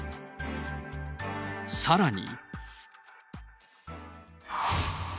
さらに。